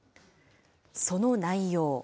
その内容。